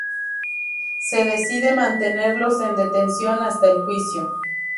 Se decide mantenerlos en detención hasta el juicio.